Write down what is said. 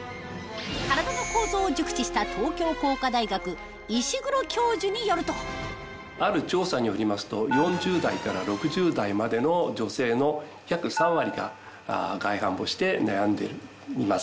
体の構造を熟知した東京工科大学石黒教授によるとある調査によりますと４０代から６０代までの女性の約３割が外反母趾で悩んでいます。